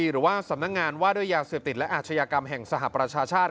หรือว่าสำนักงานว่าด้วยยาเสพติดและอาชญากรรมแห่งสหประชาชาติ